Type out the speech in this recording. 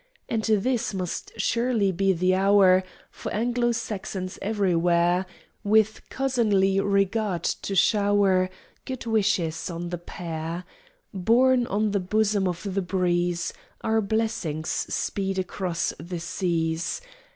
And this must surely be the hour For Anglo Saxons, ev'rywhere, With cousinly regard, to show'r Good wishes on the pair; Borne on the bosom of the breeze, Our blessings speed across the seas!